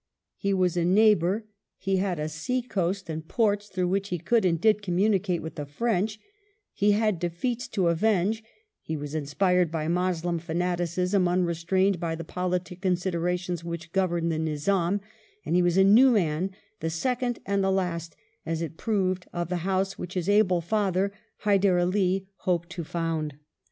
He was a neighbour*; he had a sea coast II POLITICAL STATE OF INDIA 23 and ports through which he could and did communicate with the French; he had defeats to avenge; he was inspired by Moslem fanaticism tinrestrained by the politic considerations which governed the Nizam, and he was a new man, the second and the last, as it proved, of the house which his able father, Hyder Ali, hoped to found.